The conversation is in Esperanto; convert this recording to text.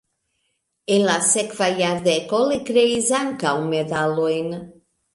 En la sekva jardeko li kreis ankaŭ medalojn.